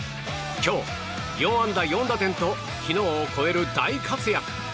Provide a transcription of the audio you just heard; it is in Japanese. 今日、４安打４打点と昨日を超える大活躍！